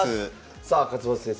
さあ勝又先生